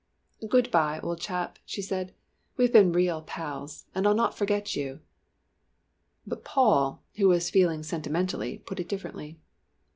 "Good bye, old chap," she said, "We have been real pals, and I'll not forget you!" But Paul, who was feeling sentimental, put it differently.